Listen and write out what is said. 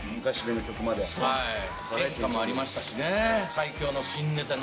変化もありましたしね。